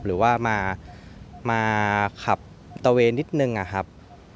หรือว่ามาขับตะเวนนิดนึงอะครับ